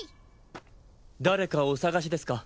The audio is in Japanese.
誰かお捜しですか？